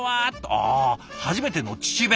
ああ初めての父弁！